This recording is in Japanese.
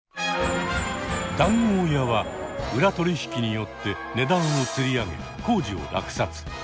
談合屋は裏取引によって値段をつり上げ工事を落札。